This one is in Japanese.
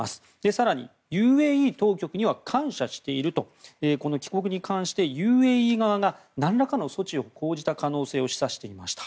更にＵＡＥ当局には感謝していると帰国に関してＵＡＥ側がなんらかの措置を講じた可能性を示唆していました。